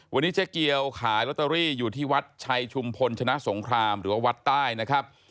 วันนี้เจ๊เกียวขายลอตเตอรี่อยู่ที่วัดชัยชุมพลชนะสงครามหรือว่าวัดใต้นะครับ